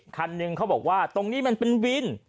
คันหนึ่งเขาบอกว่าตรงนี้มันเป็นวิน